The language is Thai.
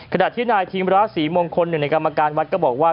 ขณะที่นายทีมระศรีมงคลหนึ่งในกรรมการวัดก็บอกว่า